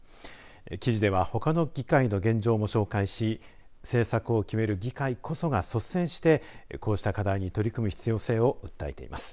記事ではほかの議会の現状も紹介し政策を決める議会こそが率先して、こうした課題に取り組む必要性を訴えています。